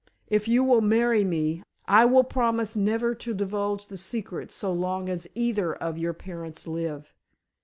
If you will marry me, I will promise never to divulge the secret so long as either of your parents live.